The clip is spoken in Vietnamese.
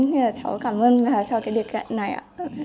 nên là cháu cảm ơn cho cái điều kiện này ạ